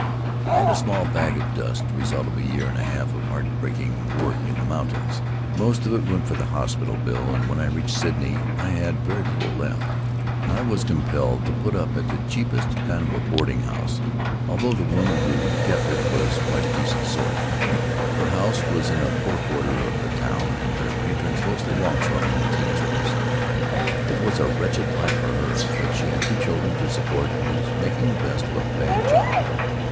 "I had a small bag of dust, the result of a year and a half of heart breaking work in the mountains. Most of it went for the hospital bill, and when I reached Sydney I had very little left. I was compelled to put up at the cheapest kind of a boarding house, although the woman who kept it was quite a decent sort. Her [ 333 ] Faery Lands of the South Seas house was in a poor quarter of the town and her patrons mostly longshoremen and teamsters. It was a wretched life for her, but she had two children to support and was making the best of a bad job.